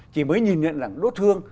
chỉ mới nhìn nhận là đốt hương